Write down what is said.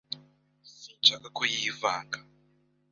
Sinshaka ko yivanga.